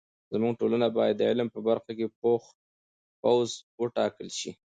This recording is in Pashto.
زموږ ټولنه باید د علم په برخه کې پوخ وټاکل سي.